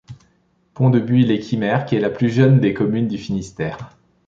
Pont-de-Buis-lès-Quimerc'h est la plus jeune des communes du Finistère.